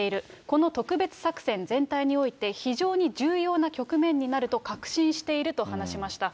この特別作戦全体において、非常に重要な局面になると確信していると話しました。